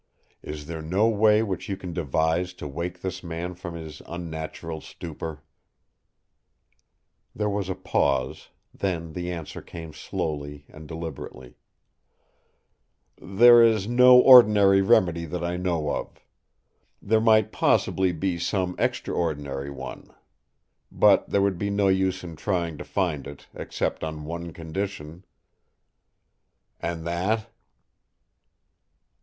Is there no way which you can devise to wake this man from his unnatural stupor?" There was a pause; then the answer came slowly and deliberately: "There is no ordinary remedy that I know of. There might possibly be some extraordinary one. But there would be no use in trying to find it, except on one condition." "And that?"